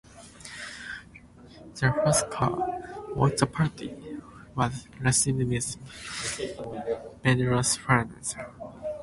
Their first cut, "Wok the Party", was received with mediocre fanfare.